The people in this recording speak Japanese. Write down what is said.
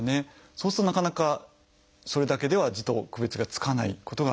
そうするとなかなかそれだけでは痔と区別がつかないことがあります。